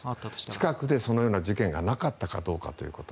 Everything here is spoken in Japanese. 近くでそのような事件がなかったかどうかということ。